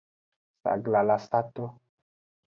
Saglalasato.